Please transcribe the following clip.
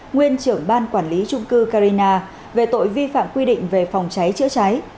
nguyên trưởng ban quản lý trung cư carina về tội vi phạm quy định về phòng cháy chữa cháy